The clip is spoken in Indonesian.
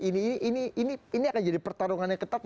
ini akan jadi pertarungannya ketat